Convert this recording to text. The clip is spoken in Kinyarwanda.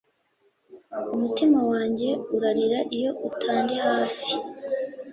umutima wanjye urarira iyo utandi hafi